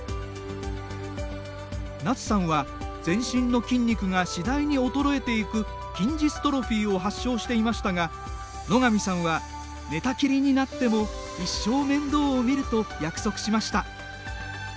奈津さんは、全身の筋肉が次第に衰えていく筋ジストロフィーを発症していましたが野上さんは「寝たきりになっても一生面倒をみる」と約束しました。